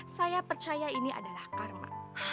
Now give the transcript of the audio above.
saya percaya ini adalah karma